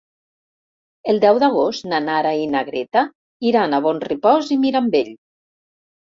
El deu d'agost na Nara i na Greta iran a Bonrepòs i Mirambell.